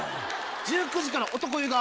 １９時から男湯が。